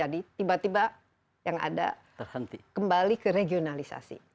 jadi tiba tiba yang ada kembali ke regionalisasi